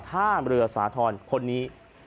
ท่ามเรือสาธรณ์คนนี้